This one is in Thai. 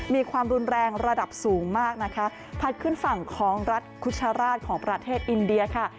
มีความรุนแรงระดับสูงมากนะคะพัดขึ้นฝั่งของรัฐคุชราชของประเทศอินเดียค่ะ